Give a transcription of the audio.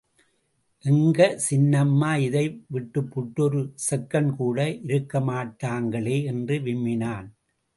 எங்க சின்னம்மா இதை விட்டுப்புட்டு ஒரு செகண்ட் கூட இருக்கமாட்டாங்களே!... என்று விம்மினான்.